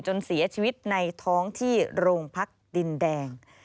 จนเสียชีวิตในท้องที่โรงพักดินแดง